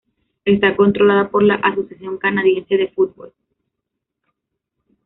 Está controlada por la Asociación Canadiense de Fútbol.